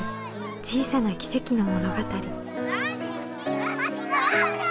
小さな奇跡の物語。